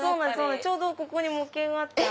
ちょうどここに模型があって。